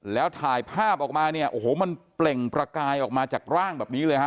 แล้วถ่ายภาพออกมาเนี่ยโอ้โหมันเปล่งประกายออกมาจากร่างแบบนี้เลยฮะ